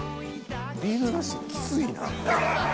ビールなしきついな。